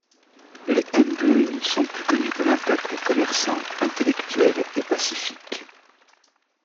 Les Mbuun sont plus connus comme un peuple commerçant, intellectuel et pacifique.